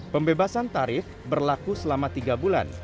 pembebasan tarif berlaku selama tiga bulan